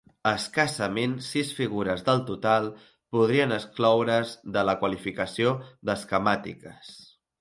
Escassament sis figures del total podrien excloure's de la qualificació d'esquemàtiques.